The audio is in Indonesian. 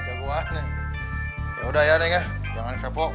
ya udah ya neng jangan sepok